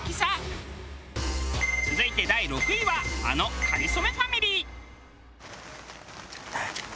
続いて第６位はあの『かりそめ』ファミリー。